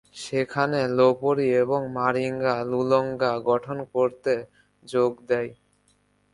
সেখানে লোপোরি এবং Maringa Lulonga গঠন করতে যোগ দেয়।